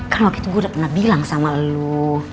kan waktu itu gue udah pernah bilang sama lu